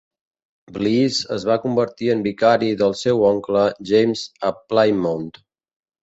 Bliss es va convertir en vicari del seu oncle James a Plymouth.